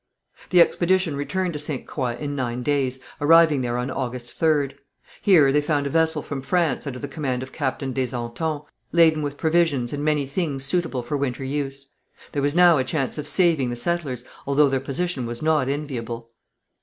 The expedition returned to Ste. Croix in nine days, arriving there on August 3rd. Here they found a vessel from France, under the command of Captain des Antons, laden with provisions, and many things suitable for winter use. There was now a chance of saving the settlers, although their position was not enviable.